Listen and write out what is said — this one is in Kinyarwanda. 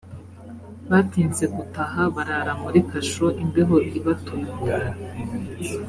batinze gutaha barara muri kasho imbeho ibatunda